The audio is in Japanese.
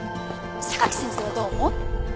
榊先生はどう思う？